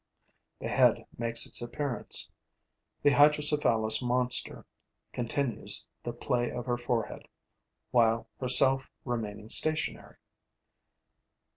The head makes its appearance. The hydrocephalous monster continues the play of her forehead, while herself remaining stationary.